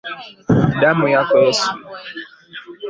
Damu yako Yesu.